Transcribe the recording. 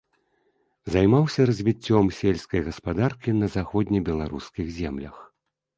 Займаўся развіццём сельскай гаспадаркі на заходнебеларускіх землях.